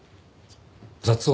雑音？